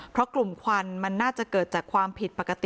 เพราะกลุ่มควันมันน่าจะเกิดจากความผิดปกติ